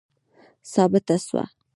ثابته سوه.